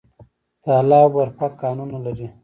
تاله او برفک کانونه لري؟